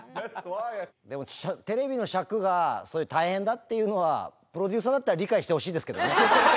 でも、テレビの尺が、そういう大変だっていうのは、プロデューサーだったら理解してほしいですけどね。